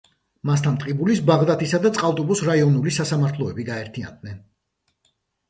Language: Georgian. მასთან ტყიბულის, ბაღდათის და წყალტუბოს რაიონული სასამართლოები გაერთიანდნენ.